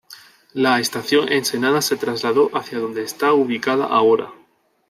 La Estación Ensenada se trasladó hacia donde está ubicada ahora.